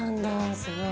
すごい。